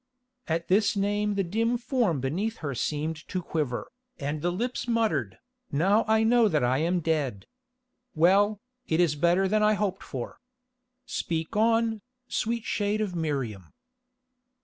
At this name the dim form beneath her seemed to quiver, and the lips muttered, "Now I know that I am dead. Well, it is better than I hoped for. Speak on, sweet shade of Miriam."